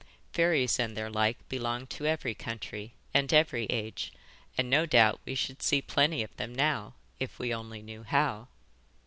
Fairies and their like belong to every country and every age, and no doubt we should see plenty of them now if we only knew how.